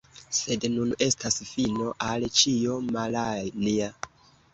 sed nun estas fino al ĉio, Malanja.